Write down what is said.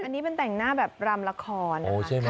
อันนี้เป็นแต่งหน้าแบบรำละคร